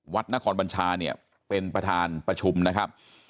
นครบัญชาเนี่ยเป็นประธานประชุมนะครับ